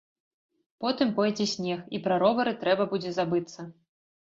Потым пойдзе снег, і пра ровары трэба будзе забыцца.